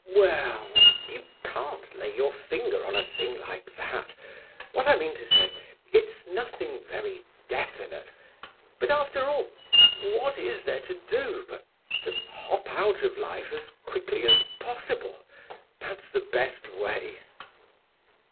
"We ell—you can't lay your finger on a thing like that! What I mean to say—it's nothing very definite. But, after all—what is there to do but to hop out of life as quickly as possible? That's the best way."